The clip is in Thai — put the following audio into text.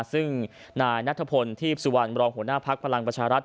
ซึ่งนายนัทพลทีพสุวรรณบรองหัวหน้าภักดิ์พลังประชารัฐ